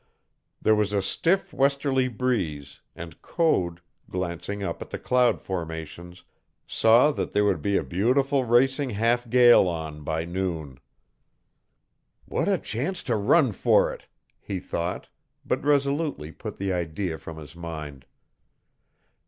There was a stiff westerly breeze, and Code, glancing up at the cloud formations, saw that there would be a beautiful racing half gale on by noon. "What a chance to run for it!" he thought, but resolutely put the idea from his mind.